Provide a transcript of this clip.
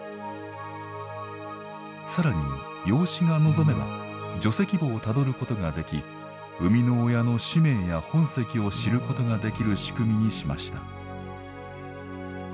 更に養子が望めば除籍簿をたどることができ生みの親の氏名や本籍を知ることができる仕組みにしました。